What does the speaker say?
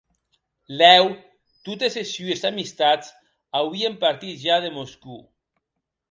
Lèu totes es sues amistats auien partit ja de Moscòu.